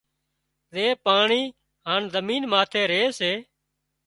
زي پاڻي هانَ زمين ماٿي ري سي